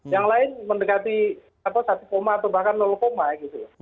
yang lain mendekati satu atau bahkan gitu loh